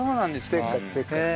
せっかちせっかち。